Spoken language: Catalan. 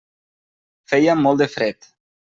Feia molt de fred.